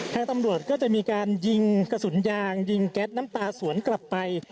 ทางตำรวจก็จะมีการยิงกระสุนยางยิงแก๊สน้ำตาสวนกลับไป